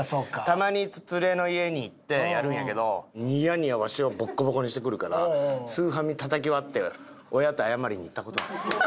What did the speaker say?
たまにツレの家に行ってやるんやけどニヤニヤわしをボッコボコにしてくるからスーファミたたき割って親と謝りに行った事ある。